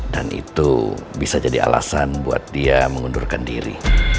dan itu bisa jadi alasan buat dia mengundurkan diri